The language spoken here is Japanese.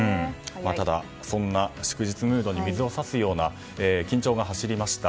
ただそんな祝日ムードに水を差すような緊張が走りました。